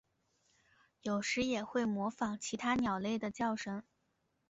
有时也会模仿其他鸟类的叫声。